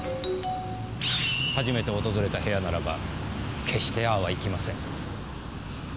初めて訪れた部屋ならば決してああはいきません。